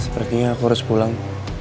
sepertinya aku harus pulang